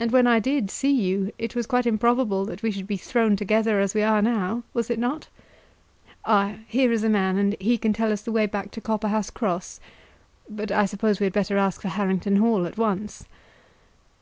And when I did see you, it was quite improbable that we should be thrown together as we are now, was it not? Ah; here is a man, and he can tell us the way back to Copperhouse Cross. But I suppose we had better ask for Harrington Hall at once."